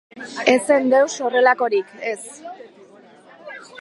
Ez zen deus horrelakorik, ez!